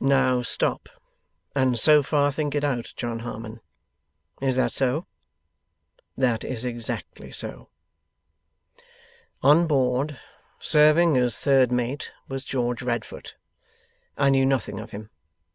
Now, stop, and so far think it out, John Harmon. Is that so? That is exactly so. 'On board serving as third mate was George Radfoot. I knew nothing of him.